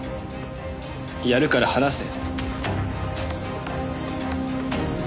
やるから離せ。